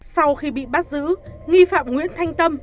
sau khi bị bắt giữ nghi phạm nguyễn thanh tâm